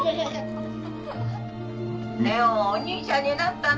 麗桜お兄ちゃんになったな。